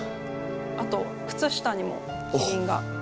あと靴下にもキリンが。